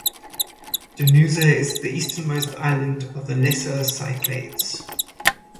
Donousa is the easternmost island of the Lesser Cyclades.